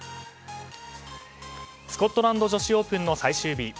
スコットランド女子オープンの最終日。